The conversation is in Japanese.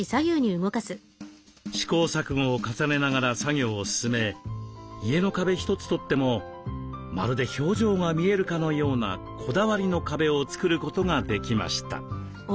試行錯誤を重ねながら作業を進め家の壁一つとってもまるで表情が見えるかのようなこだわりの壁を作ることができました。